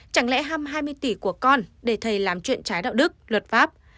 chẳng lẽ hâm hai mươi tỷ của con để thầy làm chuyện trái đạo đức luật pháp